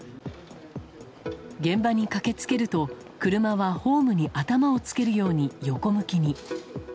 現場に駆け付けると車はホームに頭をつけるように横向きに。